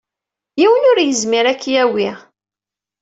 Yiwen ur yezmir ad k-yawey.